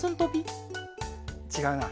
ちがうな。